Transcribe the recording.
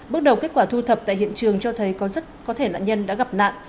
bước đầu kết quả thu thập tại hiện trường cho thấy có rất có thể nạn nhân đã gặp nạn